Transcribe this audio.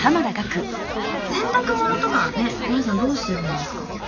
洗濯物とかね皆さんどうしてるんですか？